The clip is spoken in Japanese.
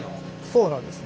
そうなんです。